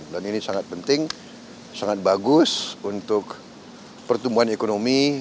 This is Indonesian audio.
dan ini sangat penting sangat bagus untuk pertumbuhan ekonomi